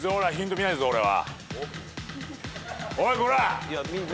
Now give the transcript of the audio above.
見ないぞ俺は。